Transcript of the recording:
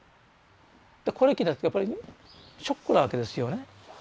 これ聞いたらやっぱりショックなわけですよね。